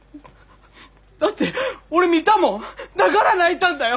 だって俺見たもんだから泣いたんだよ！